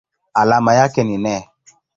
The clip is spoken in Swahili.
Alama yake ni Ne.